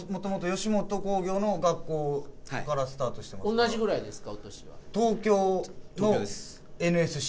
元々同じぐらいですか？